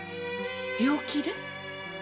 病気で？